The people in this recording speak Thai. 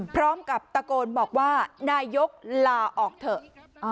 พร้อมกับตะโกนบอกว่านายกลาออกเถอะ